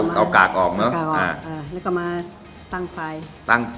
จากนั้น